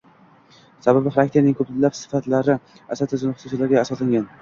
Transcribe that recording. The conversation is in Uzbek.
Sababi –xarakterning ko‘plab sifatlari asab tizimi xususiyatlariga asoslangan.